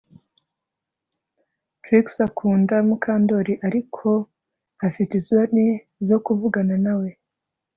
Trix akunda Mukandoli ariko afite isoni zo kuvugana nawe